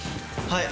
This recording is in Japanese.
はい。